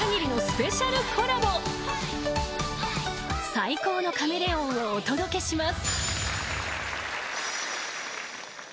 ［最高の『カメレオン』をお届けします］